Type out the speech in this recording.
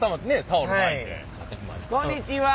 こんにちは。